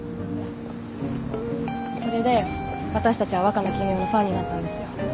それで私たちは若菜絹代のファンになったんですよ。